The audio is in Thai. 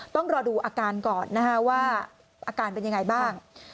ต้องรอดูอาการก่อนนะคะว่าอาการเป็นยังไงบ้าง